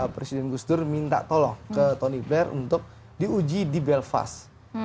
presiden gusdur minta tolong ke tony blair untuk diuji di belfast